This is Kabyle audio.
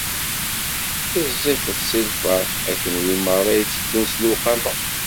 Iẓẓifet si lferḥ, a kunwi merra itteddun s lewqama.